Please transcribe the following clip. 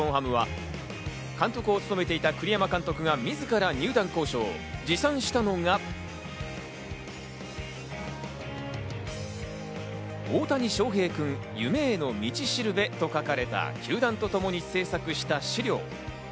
そこで日本ハムは、監督を務めていた栗山監督が、自ら入団交渉。持参したのが「大谷翔平君夢への道しるべ」と書かれた、球団とともに制作した資料。